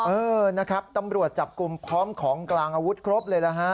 เออนะครับตำรวจจับกลุ่มพร้อมของกลางอาวุธครบเลยนะฮะ